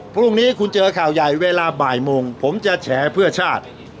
พรุ่งนี้คุณเจอข่าวใหญ่เวลาบ่ายโมงผมจะแฉเพื่อชาติ